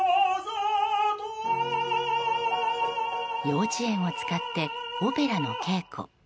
幼稚園を使ってオペラの稽古。